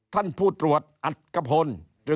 ท่านผู้ตรวจอัตกพล